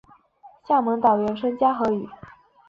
厦门岛原称嘉禾屿。